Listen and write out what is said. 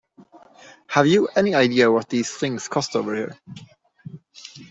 Have you any idea what these things cost over here?